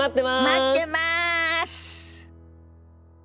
待ってます！